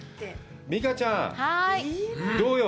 美佳ちゃん、どうよ？